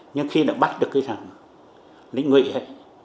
nhưng khi đã bắt được cái thằng lính nguyễn ấy